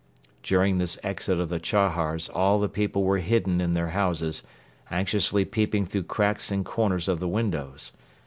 During this exit of the Chahars all the people were hidden in their houses, anxiously peeping through cracks and corners of the windows.